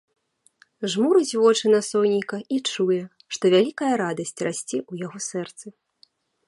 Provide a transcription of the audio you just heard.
Жмурыць вочы на сонейка і чуе, што вялікая радасць расце ў яго сэрцы.